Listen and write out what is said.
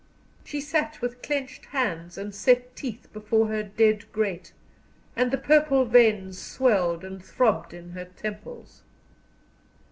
She sat with clenched hands and set teeth before her dead grate, and the purple veins swelled and throbbed in her temples.